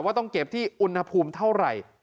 ต้องเก็บที่อุณหภูมิเท่าไหร่